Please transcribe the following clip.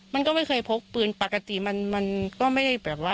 มันก็ไม่เคยพกปืนปกติมันก็ไม่ได้แบบว่า